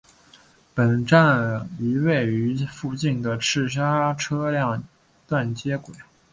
本站与位于附近的赤沙车辆段接轨。